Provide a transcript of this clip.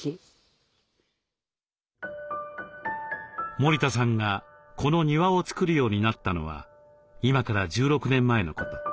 森田さんがこの庭をつくるようになったのは今から１６年前のこと。